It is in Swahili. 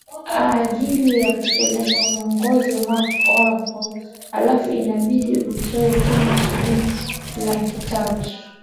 ajili ya kupeleka muongozo wako alafu inabidi utoe tena shilingi laki tatu